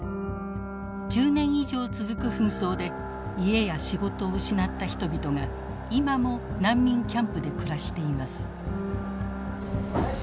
１０年以上続く紛争で家や仕事を失った人々が今も難民キャンプで暮らしています。